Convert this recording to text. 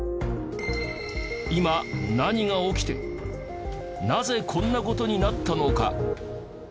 今、何が起きてなぜこんなことになったのか。